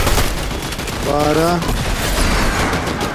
بݳرا